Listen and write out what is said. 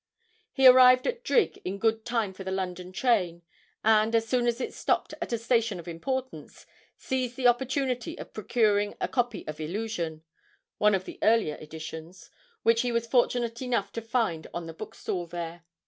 He arrived at Drigg in good time for the London train, and, as soon as it stopped at a station of importance, seized the opportunity of procuring a copy of 'Illusion' (one of the earlier editions), which he was fortunate enough to find on the bookstall there.